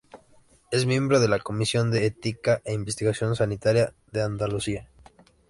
Es miembro de la Comisión de Ética e Investigación Sanitaria de Andalucía.